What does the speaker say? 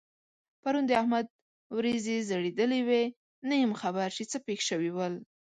پرون د احمد وريځې ځړېدلې وې؛ نه یم خبر چې څه پېښ شوي ول؟